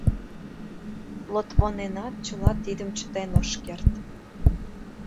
Лотвоненат чыла тидым чытен ыш керт.